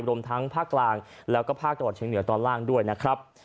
รวมทั้งภาคกลางแล้วก็ภาคตะวันเชียงเหนือตอนล่างด้วยนะครับ